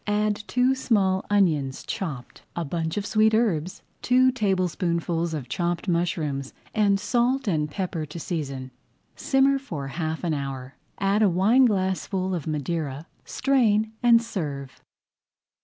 Add two small onions chopped, a bunch of sweet herbs, two tablespoonfuls of chopped mushrooms, and salt and pepper to [Page 25] season. Simmer for half an hour, add a wineglassful of Madeira, strain, and serve.